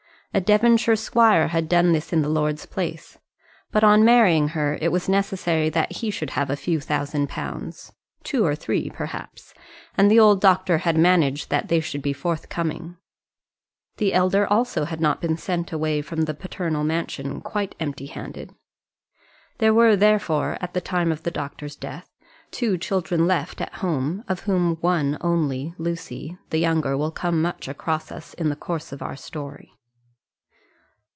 A Devonshire squire had done this in the lord's place; but on marrying her it was necessary that he should have a few thousand pounds, two or three perhaps, and the old doctor had managed that they should be forthcoming. The elder also had not been sent away from the paternal mansion quite empty handed. There were, therefore, at the time of the doctor's death two children left at home, of whom one only, Lucy, the younger, will come much across us in the course of our story.